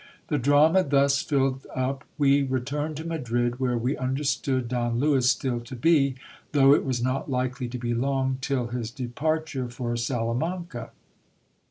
The drama thus filled up we returned to Madrid, where we understood Don Lewis still to be, though it was not likely to be long till his departure for Salamanca.